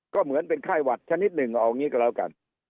ก็เหมือนเป็นไข้หวัดชนิดหนึ่งเอางี้ก็แล้วกัน